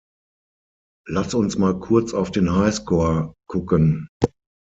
Lass uns mal kurz auf den Highscore gucken.